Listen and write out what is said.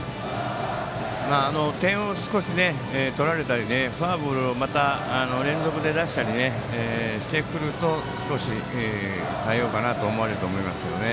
点を少し取られたりフォアボールを連続で出したりしてくると少し代えようかなと思われると思います。